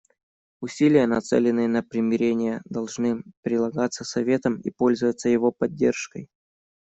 Усилия, нацеленные на примирение, должны прилагаться Советом и пользоваться его поддержкой.